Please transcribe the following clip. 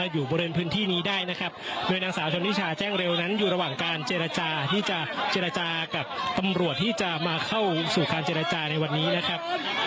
สู่การเจรจาในวันนี้นะครับ